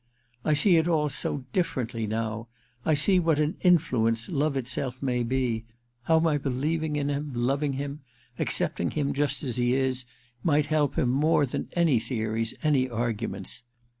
^I see it all so differently now. I see what an in THE QUICKSAND 305 influence love itself may be — how my believing in him, loving him, accepting him just as he is, might help him more than any theories, any arguments.